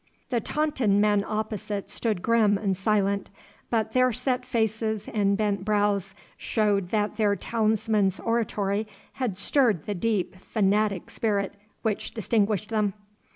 The Taunton men opposite stood grim and silent, but their set faces and bent brows showed that their townsman's oratory had stirred the deep fanatic spirit which distinguished them.